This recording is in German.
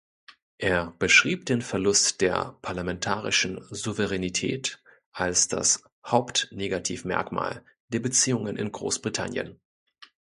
Er beschrieb den Verlust der parlamentarischen Souveränität als das Hauptnegativmerkmal der Beziehungen in Großbritannien.